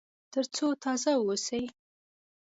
تر څو تازه واوسي.